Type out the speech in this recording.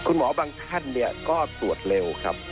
คุณหมอบางท่านเนี่ยก็ตรวจเร็วครับ